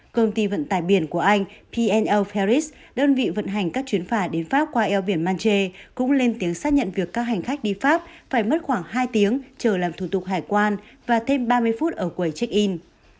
công ty vận tải biển của anh pno ferris đơn vị vận hành các chuyến phà đến pháp qua eo biển manche cũng lên tiếng xác nhận việc các hành khách đi pháp phải mất khoảng hai tiếng chờ làm thủ tục hải quan và thêm ba mươi phút ở quầy check in